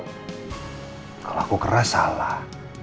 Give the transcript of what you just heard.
kalau aku keras salah